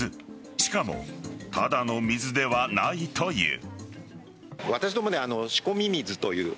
しかもただの水ではないという。